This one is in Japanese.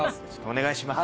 お願いします。